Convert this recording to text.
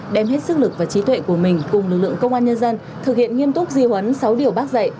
đem hết sức lực và trí tuệ của mình cùng lực lượng công an nhân dân thực hiện nghiêm túc di huấn sáu điều bác dạy